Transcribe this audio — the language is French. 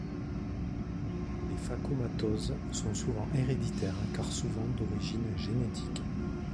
Les phacomatoses sont souvent héréditaires car souvent d'origine génétique.